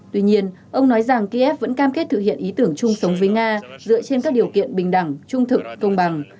tuy nhiên ông nói rằng kiev vẫn cam kết thực hiện ý tưởng chung sống với nga dựa trên các điều kiện bình đẳng trung thực công bằng